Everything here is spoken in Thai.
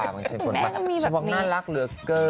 ฉุกแม่ก็มีแบบนี้ฉันคิดว่ามั๊กน่ารักเหลือเกิน